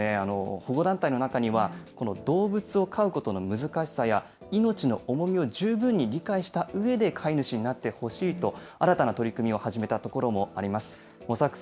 保護団体の中には、この動物を飼うことの難しさや、命の重みを十分に理解したうえで飼い主になってほしいと、新たな取り組みを始めたところもあります。